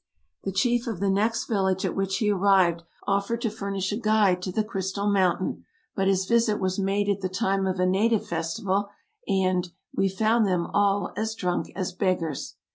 The chief of the next village at which he arrived offered to furnish a guide to the crystal mountain ; but his visit was made at the time of a native festival, and " we found them alias drunk as beggars.